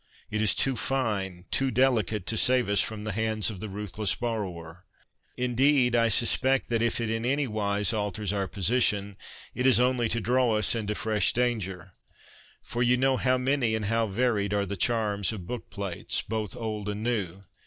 It is too fine, too delicate, to save us from the hands of the ruthless borrower. Indeed, I suspect that if it in any wise alters our position, it is only to draw us into fresh danger. For you know how many and how varied are the charms of book plates, both old and new.